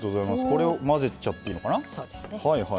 これを混ぜちゃっていいのかな。